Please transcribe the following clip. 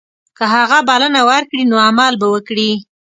که هغه بلنه ورکړي نو عمل به وکړي.